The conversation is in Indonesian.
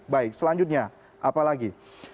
baik selanjutnya apa lagi